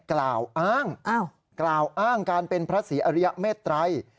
กล่าวอ้างกล่าวอ้างการเป็นพระศรีอริยเมตรัย